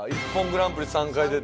『ＩＰＰＯＮグランプリ』３回出て。